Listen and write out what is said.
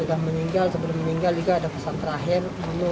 sebelum meninggal sebelum meninggal ini ada pesan terakhir bunuh tempat tempat kamu